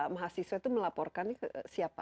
mahasiswa itu melaporkan siapa